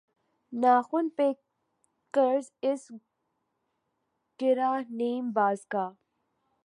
ناخن پہ قرض اس گرہِ نیم باز کا